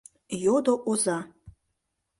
— йодо оза.